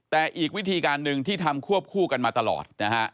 แต่อีกวิธีการหนึ่งที่ทำควบคู่กันมาตลอดนะฮะ